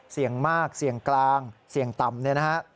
เสี่ยงมากเสี่ยงกลางเสี่ยงต่ำ